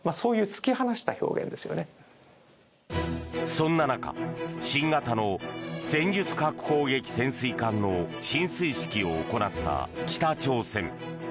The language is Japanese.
そんな中新型の戦術核攻撃潜水艦の進水式を行った北朝鮮。